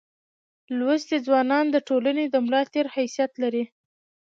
لوستي ځوانان دټولني دملا دتیر حیثیت لري.